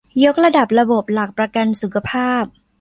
ยกระดับระบบหลักประกันสุขภาพ